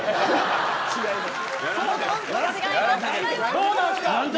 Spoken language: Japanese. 違います。